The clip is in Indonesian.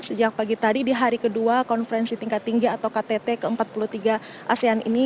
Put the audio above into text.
sejak pagi tadi di hari kedua konferensi tingkat tinggi atau ktt ke empat puluh tiga asean ini